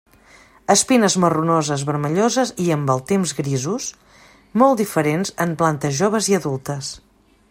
Espines marronoses, vermelloses i amb el temps grisos, molt diferents en plantes joves i adultes.